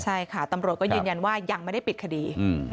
ใช่ค่ะตำรวจก็ยืนยันว่ายังไม่ได้ปิดคดี